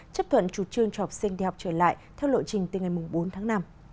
chấp thuận chủ trương cho học sinh đi học trở lại theo lộ trình từ ngày bốn tháng năm